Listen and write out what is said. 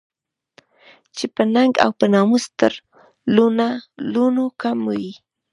چې په ننګ او په ناموس تر لوڼو کم وي